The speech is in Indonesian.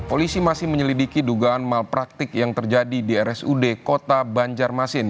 polisi masih menyelidiki dugaan malpraktik yang terjadi di rsud kota banjarmasin